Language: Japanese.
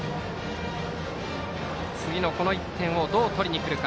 次の１点をどう取りにくるか。